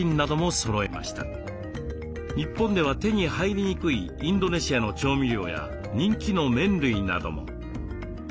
日本では手に入りにくいインドネシアの調味料や人気の麺類なども。